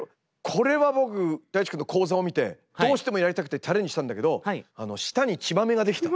これは僕Ｄａｉｃｈｉくんの講座を見てどうしてもやりたくてチャレンジしたんだけど舌に血まめが出来た。